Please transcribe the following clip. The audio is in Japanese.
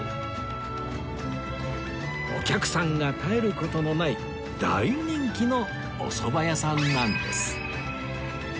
お客さんが絶える事のない大人気のおそば屋さんなんです